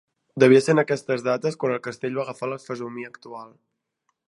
Devia ser en aquestes dates quan el castell va agafar la fesomia actual.